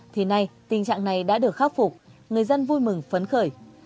thì nay tình trạng này đã được khắc phục người dân vui mừng phấn khởi